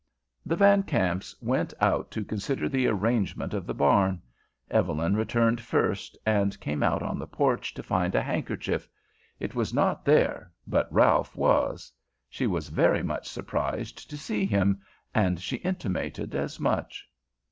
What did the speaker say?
The Van Kamps went out to consider the arrangement of the barn. Evelyn returned first and came out on the porch to find a handkerchief. It was not there, but Ralph was. She was very much surprised to see him, and she intimated as much.